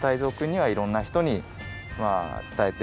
はい。